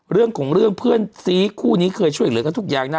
เรื่องของเรื่องเพื่อนซีคู่นี้เคยช่วยเหลือกันทุกอย่างนะ